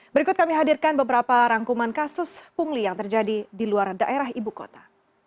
berikut kami hadirkan beberapa rangkuman kasus pungli yang terjadi di luar daerah ibu kota